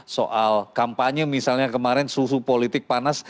soal kampanye misalnya kemarin suhu politik panas